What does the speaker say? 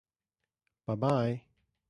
Bye bye!